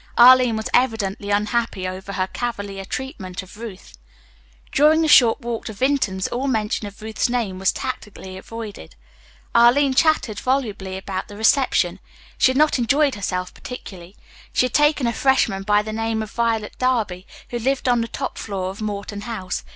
Arline was evidently unhappy over her cavalier treatment of Ruth. During the short walk to Vinton's all mention of Ruth's name was tacitly avoided. Arline chattered volubly about the reception. She had not enjoyed herself particularly. She had taken a freshman by the name of Violet Darby, who lived on the top floor of Morton House.